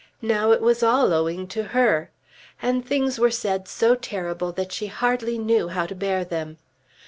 Now it was all owing to her! And things were said so terrible that she hardly knew how to bear them.